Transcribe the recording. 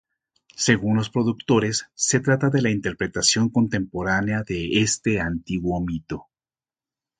Según los productores, se trata de la interpretación contemporánea de este antiguo mito.